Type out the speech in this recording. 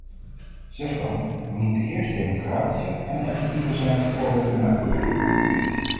Zeg dan, we moeten eerst democratischer en effectiever zijn voor we kunnen uitbreiden.